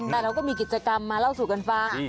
แต่เราก็มีกิจกรรมมาเล่าสู่กันฟัง